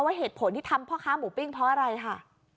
เหตุผลที่ทำพ่อค้าหมูปิ้งเพราะอะไรค่ะ